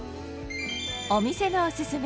お店のオススメ